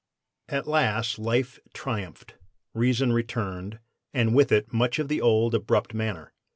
"At last life triumphed, reason returned, and with it much of the old, abrupt manner.